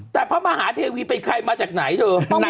แต่พระมหาเทวีเป็นใครมาจากไหนเธอ